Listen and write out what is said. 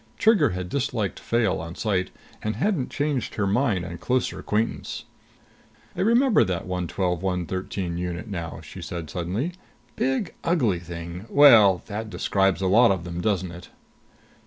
Trigger had disliked Fayle on sight, and hadn't changed her mind on closer acquaintance. "I remember that 112 113 unit now," she said suddenly. "Big, ugly thing well, that describes a lot of them, doesn't it?"